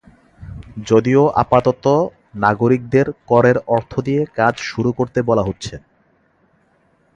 যদিও আপাতত নাগরিকদের করের অর্থ দিয়ে কাজ শুরু করতে বলা হচ্ছে।